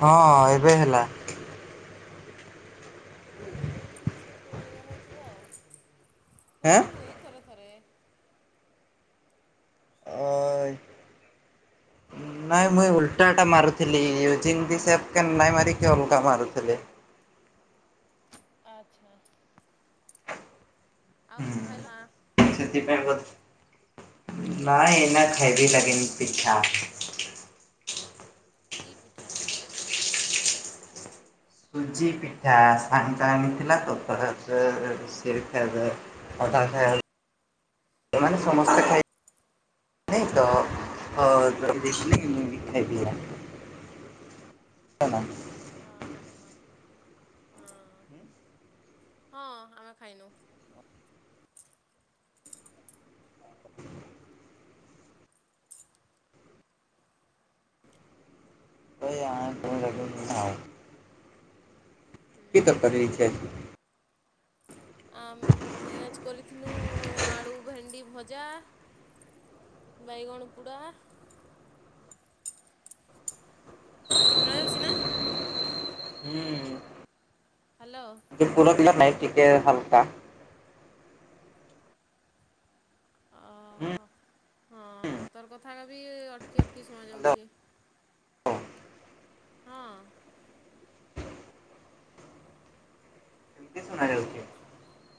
ହଁ ଏବେ ହେଲା। ହଁ। ଏଇ ପାଇଁ କିଛି ହଉଥିବ ଆଉ। ଆଁ? ସେମିତି ହୁଏ ଥରେ ଥରେ। ଅ ହଁ ଆଉ ନାଇଁ ମୁଇଁ ଖାଇଲ? ଓଲଟା ଓଲଟା ମାରୁଥିଲି [unintelligible] ନାଇଁ ମାରିକି ଅଲଗା ମାରୁଥିଲି। ଆଚ୍ଛା। ଆଉ କଣ ଖାଇଲ? ସେଥିପାଇଁ ବୋଧେ, ନାଇ ଏଇନା ଖାଇବି ଲାଗିନି ପିଠା। କି ପିଠା? ସୁଜି ପିଠା। ସାଙ୍ଗ ଆଣିଥିଲା ତ [unintelligible] ଅଧା ଖାଇବାରୁ ଏମାନେ ସମସ୍ତେ ଖା ନାଇଁତ ହ ଯଦି ଦେଖିଲି ମୁଁ ବି ଖାଇବି ଆ। [unintelligible] ହଁ ହଁ। ହଁ, ହଁ ଆମେ ଖାଇନୁ। [unintelligible] ହୁଁ। [unintelligible] ଆମ୍ ଏ ଆଜି କରିିଥିନୁ ଆଳୁ ଭେଣ୍ଡି ଭଜା। ବାଇଗଣ ପୁଡ଼ା। ଶୁଣାଯାଉଛି ନା? ହୁଁ ହ୍ୟାଲୋ। ସେ ପୁର ଥିଲା ନାଇଁ ଟିକେ ହାଲକା ଅହଁ ହଁ ତୋର କଥା କବି ଅଟକି ଅଟକି ହ୍ୟାଲୋ ଶୁଣାଯାଉଛି। ହଁ। ଏମିତି ଶୁଣା ଯାଉଛି [inaudible]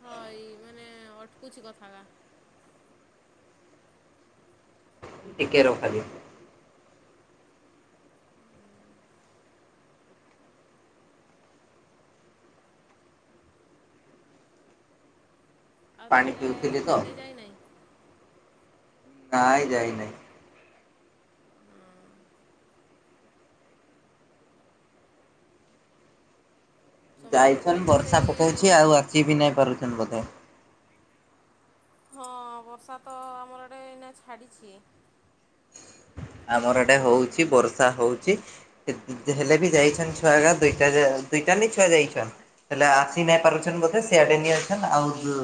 ହଁ ଏଇ ମାନେ ଅଟକୁଛି କଥାବା। ଟିକେ ରହ ଖାଲି। ଆଉ ପାଣି ତାହେଲେ ପିଉଥିଲି ତ ଖାଇତେ ଯାଇ ନାହିଁ? ନାଇଁ ଯାଇ ନାଇଁ। ହଁ। ସମସ୍ତେ ଯାଇଛନ୍ ତାହେଲେ ବର୍ଷା ସେଇ ପକଉଛି ଆଉ ଆସ ବି ନାଇଁ ପାରୁଛନ୍ ବୋଧେ। ହଁ ବର୍ଷା ତ ଆମର ଆଡେ ଏଇନା ଛାଡ଼ିଛି। ଆମର ଆଡ଼େ ହଉଛି ବର୍ଷା ହଉଛି। ହେଲେ ବି ଯାଇଛନ୍ ଛୁଆଗା ଦୁଇଟା ଦୁଇଟା ନି ଛୁଆ ଯାଇଛନ୍। ହେଲେ ହୁଁ ଆସି ନାଇଁ ପାରୁଛ ବୋଧେ ସିଆଡ଼େ ନେଇଆସଛନ୍ ଆଉ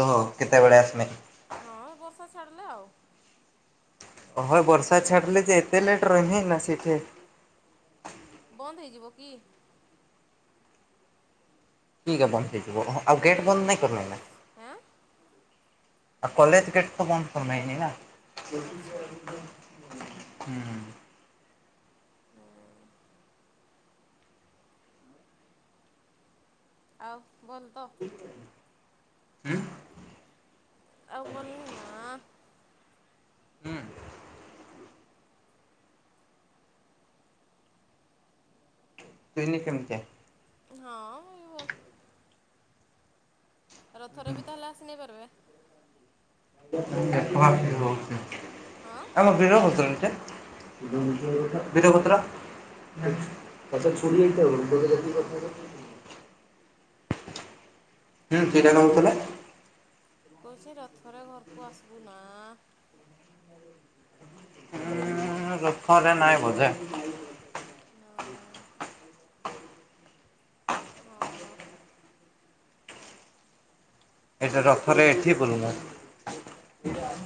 ରହ କେତେବେଳେ ଆସମେ। ହଁ ବର୍ଷା ଛାଡ଼ିଲା ଆଉ। [unintelligible] ବନ୍ଦ ହେଇଯିବ କି? ଠିକ୍ ବନ୍ଦ ହେଇଯିବ ଆଉ ଗେଟ୍ ମାନେ ବନ୍ଦ ନାଇଁ କରନ ନା। ଆଁ ଆଚ୍ଛା [unintelligible] ହୁଁ ହୁଁ। ଆଉ ଭଲ ତ? ଉଁ ଆଉ ଭଲନି ନା ହୁଁ। [unintelligible] ହୁଁ ମୁଁ ବ ରଥ ରେ ବି ତାହେଲେ ଆସି ନେଇ ପାରିବେ। [unintelligible] ହଁ ଅଧିକ ହୋଉଛନ୍ତି ଯେ [unintelligible] [unintelligible] [inaudible] ହୁଁ ସେଟା କହୁଥିଲେ କହୁଛି ରଥରେ ଘରକୁ ଆସିବୁ ନା? ହୁଁ ରଥ ରେ ନାଇଁ ବୋଝେ। ଓହୋ। ହଁ। ଏଇଟା ରଥରେ ଏଠି ବୁଲୁନ। ହଁ।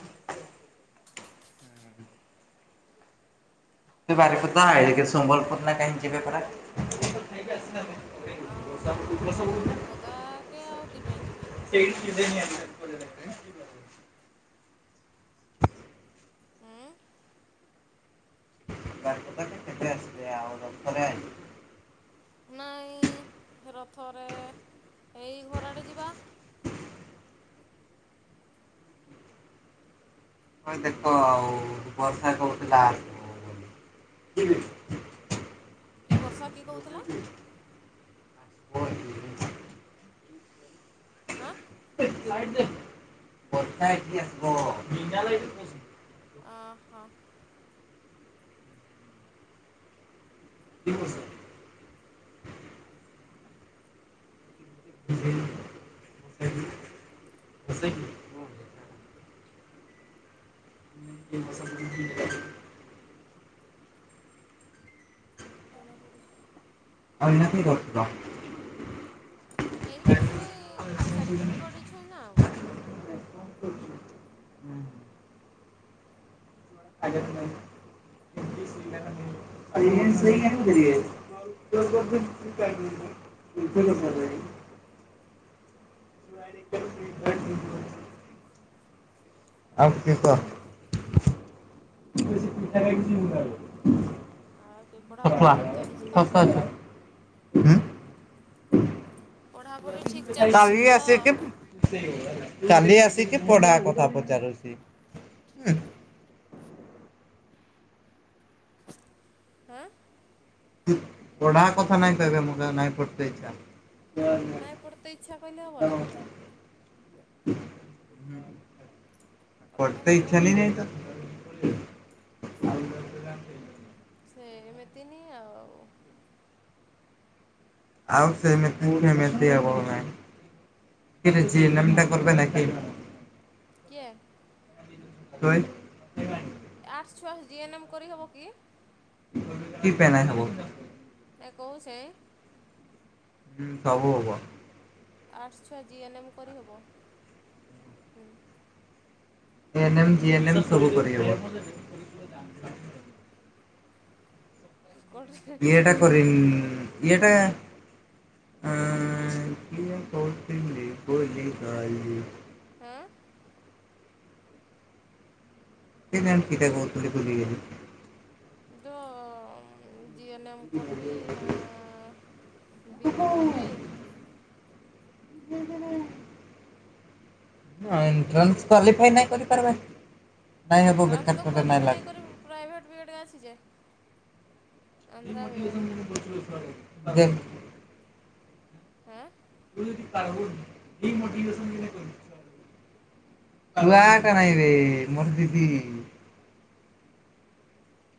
[unintelligible] ଆ ବାରିପଦା କେ ଆଉ କି ପାଇଁ ଯିବି। [unintelligible] [unintelligible] ହଁ [unintelligible] ବାରକତା ତ କେତେ ଆସିଲେ ଆଉ [unintelligible] ମପରେ [unintelligible] ନାଇଁ, ରଥରେ ଏଇ ଘର ଆଡ଼େ ଯିବା। ହଁ ଦେଖ ଆଉ ବର୍ଷା କହୁଥିଲା ଆ [unintelligible] କି ବର୍ଷା? କିଏ କହୁଥିଲା? ହଁ [unintelligible] ଲଟ [unintelligible] ପଥାକ ଆସ [unintelligible] ଓହୋ [unintelligible] [inaudible] ସେ [unintelligible] ନେଇ ପସ [unintelligible] ଜଣା ପଡୁଛି। ଆଉନା କରୁ [unintelligible] ଏଇ କିଛି ନାଇଁ, ଖାଇସାରି କରି [unintelligible] ଗଡିେଇ ଛୁଇଁନା ଆଉ ଆଜ୍ଞା ତାଇ [unintelligible] ଆ ସ [unintelligible] [inaudible] ଆଉ କି କ [unintelligible] ଠ କିଛିିବ ଆଉ କି ପଢ଼ାପଢ଼ି [unintelligible] ଠିକ୍ ଚାଲିଛି ତ? ସସଲା ସ [unintelligible] ପଢ଼ାପଢ଼ି ଠିକ୍ ଚାଲିଛି ତ? ଚାଲି ଆସିିକି ପଢା କଥା ପଚାରୁଛି। ହଁ [unintelligible] ପଢା କଥା ନାଇଁ କହିବେ ମୁ ନାଇଁ ପଢେ ଇ୍ଛା [unintelligible] ନାଇଁ ପଢ଼ତେ ଇଚ୍ଛା କହିଲେ ହବ ନା? ପଢ଼ତେ ପଟତ ହବ ଇ୍ଛା ନା ନଁ ତ [unintelligible] ସେ ଏମିତିନି ଆଉ [unintelligible] ଆଉ ସେମତିମଆବ ନେମଟା କରିବ ନକି [unintelligible] କଏ [unintelligible] କହିଏ [unintelligible] ଆର୍ସ ଛଅସ ଜି ଏନ୍ ଏମ୍ କରି ହେବ କି [unintelligible] କି ପେ ନାଇ ହବ [unintelligible] ଏ କହୁଛ [unintelligible] ହୁଁ ହବ ହବ [unintelligible] ଆର୍ଟସ୍ ଛୁଆ ଜି ଏନ୍ ଏମ୍ କରିହବ? A N M G N M ସବୁ କରିହବ। ମ ଦେକାରି [unintelligible] କୋଉଠି ଇଏଟା କର ଶୀଘ୍ର ଇଏଟା [unintelligible] ଆ କିଏ କହୁି ଭଲି ଗ [unintelligible] ହଁ [unintelligible] ସେ ଟା କହୁଥିଲଛନ୍ତି ବୁଝିକଲି [unintelligible] ତ ଜିଏନେ କର ବିି ନା [unintelligible] ବି ଏଡ୍ କରିବି? [unintelligible] ହଁ ଏଣ୍ଟ୍ରାନ୍ସ କ୍ୱାଲିଫାଇ ନାଇଁ କରିପାରବାର। [unintelligible] ଆନ୍ଧ୍ରା ବି ଏଡ଼୍ [unintelligible] ଆଁ [unintelligible] [unintelligible]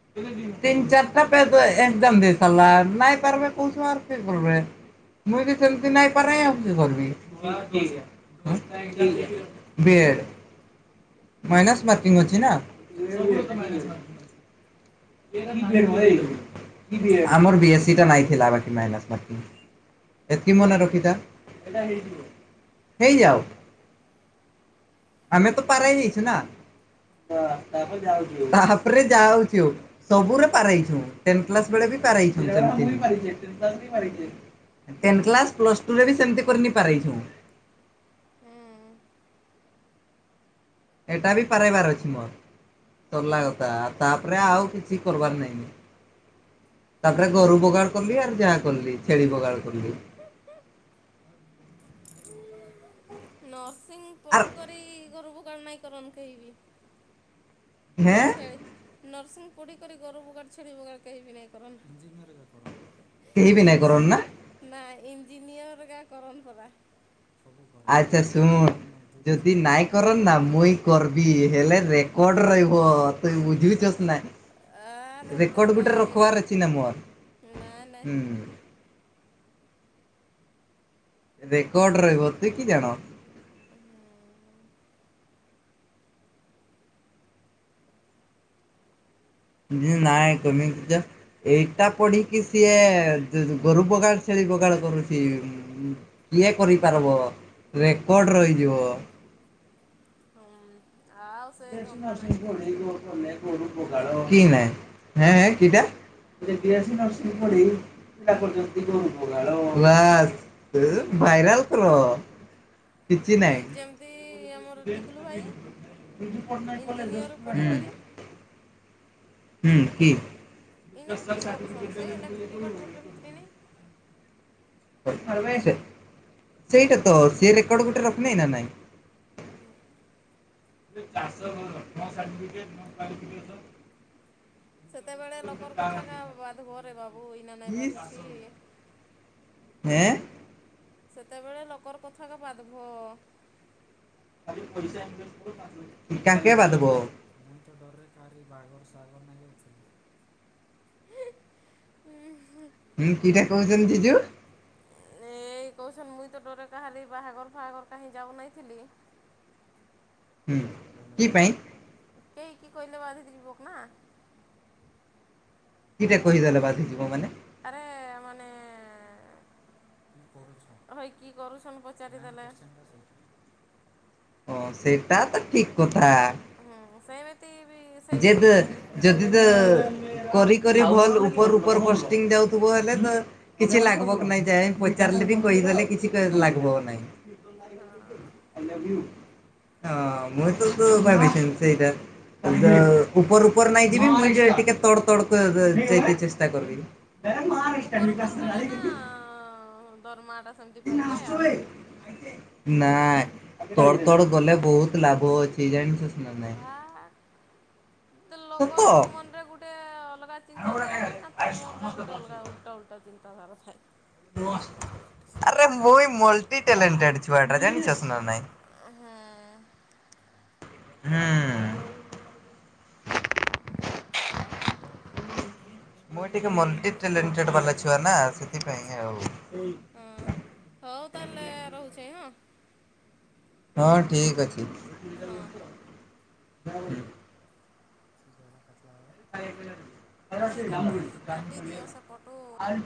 [unintelligible] [unintelligible] [unintelligible] [unintelligible] [unintelligible] ଏତିକି ମନେ ରଖିଥା ହେଇଯାଉ। [unintelligible] [unintelligible] ଟେନ କ୍ଲାସ ପ୍ଲସ୍ ଟୁ ରେ ବି ସେମିତି [unintelligible] ହୁଁ ଏଇଟା ବି ପାରାଇବାର ଅଛି ମୋର [unintelligible] ତାପରେ ଗୋରୁ ବଗାଳ କଲି ଆଉ ଯାହା କଲି ଛେଳି ବଗାଲ କଲି ଆର୍ [unintelligible] [unintelligible] [unintelligible] କେହି ବି ନାଇଁ କରନ୍ ନା [unintelligible] ଆଚ୍ଛା ଶୁଣ ଯଦି [unintelligible] [unintelligible] ରେକର୍ଡ ଆର୍ ଏତେ ଗୋଟେ ନାଇଁ ରଖିବାର ଅଛିନା ମୋର। ନାଇଁ ଅର୍ଡର ରହିବ [unintelligible] ହୁଁ [unintelligible] ଏଇଟା ପଢ଼ିକି ସିଏ ଗୋରୁ ବଗାଳ ଛେଳି ବଗାଳ କରୁଛି। କିଏ କରିପାରିବ ରେକର୍ଡ଼ ରହିଯିବ। ହଁ ଆ [unintelligible] [unintelligible] [unintelligible] କିଛି ହୁଁ ନାଇଁ ଯେମିତି ଆମର ଟିକୁଲୁ ଭାଇ ଇଞ୍ଜିନିୟର ପଢ଼ିକରି [unintelligible] ହୁଁ କି [unintelligible] [unintelligible] [unintelligible] ସେତେବେଳେ ଲୋକର କଥା ଇସ୍, [unintelligible] ହେଁ ସେତେବେଳେ ଲୋକ [unintelligible] [unintelligible] ମୁଇଁ ତ ଡ଼ରରେ କାହାରି ବାଘର, ସାଗର [unintelligible] ହୁଁ କିଡ଼ା କହୁଚନ୍ତି ଜିଜୁ। ଏଇ କହୁଛନ ମୁଇଁ ତ ଡ଼ରେ କାହାରି ବାହାଘର ଫାହାଘର କାହିଁ ଯାଉନାଇଥିଲି। ହୁଁ କି ପାଇଁ କେହି କି କହିଲ ବାନ୍ଧି ଯିବକ ନା। କିଡ଼ା କହିଦେଲେ ବାଧିଯିବ ମାନେ। ଆରେ ମାନେ- ହୋଇ କି କରୁସନ୍ ପଚାରିଦେଲେ? ହଁ ସେଇଟା ତ ଠିକ କଥା। ହୁଁ ସେମିତି ବି ସେଇ ଯେଦେ ଯଦି ତ କରି କରି ଭଲ ଉପର ଉପର ପଷ୍ଟିଂ ଯାଉଥିବ ହେଲେ ତ କିଛି ଲାଗିବ କି ନାଇଁ ଯାଇ ପଚାରିଲେ ବି କହିଦେଲେ କିଛି ଲାଗିବ ନାଇଁ। ହଁ ହଁ, ମୁଁ ତ, ତ ଭାଡ଼େଇସି ସେଇଟା। ଉପର ଉପର ନାଇଁ ଯିବି ମୁଁ ଟିକେ ତଡ଼, ତଡ଼ କ ଯାଇକି ଚେଷ୍ଟା କରିବି। ଉପର ଉପର ଗଲେ ନା ଦରମାଟା ସେମିତି ପାଇବେ ଆଉ। ନାଇଁ ତଡ଼, ତଡ଼ ଗଲେ ବହୁତ ଲାଭ ଅଛି ଜାଣିଛୁ ନା ନାଇଁ। ତ ସତ। ଲୋକର ମନ ରେ ଗୋଟେ ଅଲଗା ଚିନ୍ତାଧାରା ଥାଏ ନା ତୋର ମନ ରେ ଗୋଟେ ଅଲଗା ଉ ଓଲଟା ଚିନ୍ତା ଧାରା ଥାଏ। ଆରେ ମୁଇ ମୋଲ ଟ୍ୟାଲେଣ୍ଟେଡ଼ ଛୁଆ ଜାଣିଛ ନା ନାଇଁ। ହଁ ହୁଁ। ମୁଁ ଟିକେ ମଲ୍ଟି ଟ୍ୟାଲେଣ୍ଟେଡ଼ ବାଲା ଛୁଆ ନା ସେଥିପାଇଁ ଆଉ। ହଁ ହଉ ତାହେଲେ ରହୁଛି ହଁ। ହଁ ଠିକ ଅଛି। ହଁ। [unintelligible] ନାଇଁ କାଟି କାଟି ଦିଅ ସେ ପଟୁ।